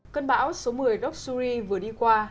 cơn bão số một mươi đất suri vừa đi qua